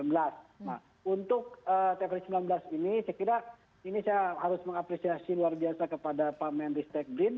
nah untuk tps sembilan belas ini saya kira ini saya harus mengapresiasi luar biasa kepada pak menristek brin